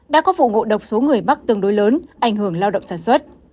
đã có vụ ngộ độc số người mắc tương đối lớn ảnh hưởng lao động sản xuất